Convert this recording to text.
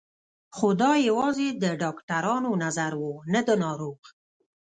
خو دا يوازې د ډاکترانو نظر و نه د ناروغ.